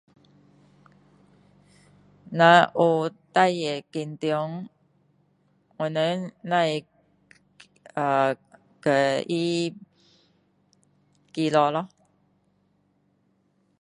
若有事情紧张我们只是呃为他祈祷咯